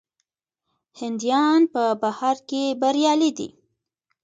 هندیان په بهر کې بریالي دي.